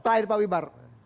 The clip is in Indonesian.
terakhir pak wimar